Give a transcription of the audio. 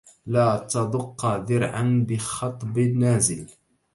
لا تضق ذرعا بخطب نازل